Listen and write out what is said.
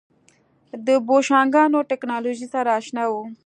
د بوشنګانو ټکنالوژۍ سره اشنا وو.